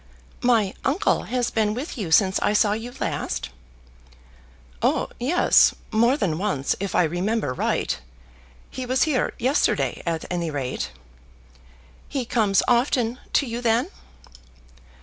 "My uncle has been with you since I saw you last?" "Oh yes; more than once if I remember right. He was here yesterday at any rate." "He comes often to you then?"